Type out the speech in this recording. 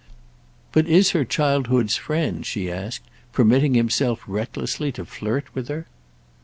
But is her childhood's friend," she asked, "permitting himself recklessly to flirt with her?"